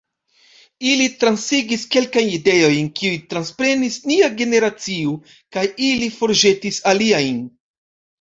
Ili transigis kelkajn ideojn, kiujn transprenis nia generacio, kaj ili forĵetis aliajn.